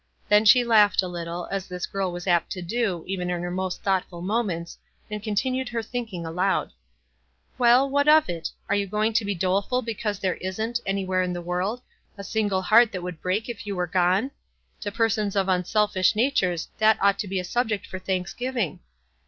Then she laughed a little, as this girl was apt to do, even in her most thought ful moments, and continued her thinking aloud. "Well, what of it? Are you going to be dole ful because there isn't, anywhere in the world, a single heart that would break if you were gone ! To persons of unselfish natures that ought to be a subject for thanksgiving.